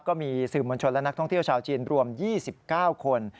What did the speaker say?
ก็มีสื่อมวลชนและนักท่องเที่ยวชาวจีนรวม๒๙คน